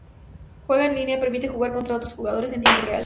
Juego en línea: permite jugar contra otros jugadores en tiempo real.